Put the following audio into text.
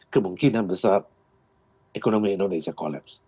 kemungkinan besar ekonomi indonesia kolep